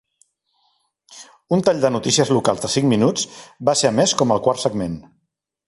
Un tall de notícies locals de cinc minuts va ser emès com el quart segment.